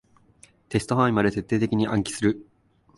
テスト範囲まで徹底的に暗記する